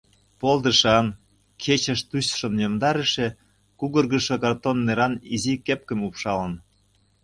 Полдышан, кечеш тӱсым йомдарыше, кугыргышо картон неран изи кепкым упшалын.